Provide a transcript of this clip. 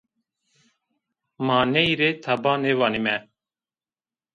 Ma ney rê teba nêvanîme